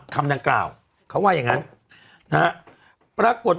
คำดังกล่าวเขาว่าอย่างงั้นนะฮะปรากฏ